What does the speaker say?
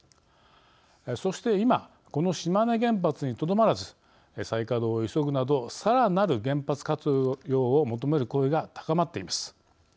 そして、今この島根原発にとどまらず再稼働を急ぐなどさらなる原発活用を求める声が高まっています。